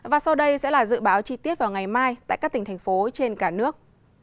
và sau đây sẽ là dự báo chi tiết vào ngày mai tại các tỉnh thành phố trên cả nước